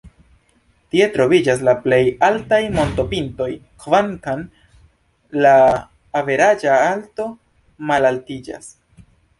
Tie troviĝas la plej altaj montopintoj, kvankam la averaĝa alto malaltiĝas.